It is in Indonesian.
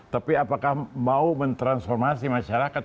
tapi apakah mau mentransformasi masyarakat